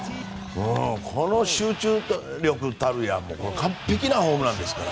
この集中力たるや完璧なホームランですから。